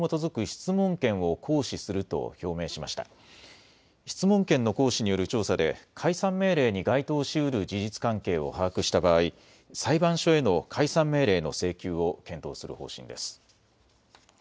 質問権の行使による調査で解散命令に該当しうる事実関係を把握した場合、裁判所への解散命令の請求を検討する方針です。